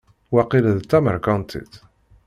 Waqil d tameṛkantit.